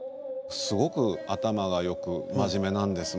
すごく頭がよく真面目なんです。